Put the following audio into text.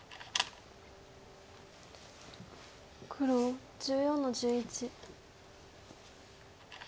黒１４の十一。